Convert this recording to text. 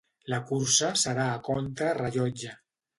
La cursa serà a contra rellotge.